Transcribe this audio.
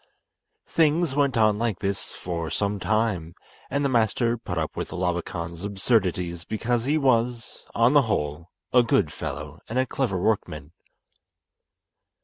Things went on like this for some time, and the master put up with Labakan's absurdities because he was, on the whole, a good fellow and a clever workman.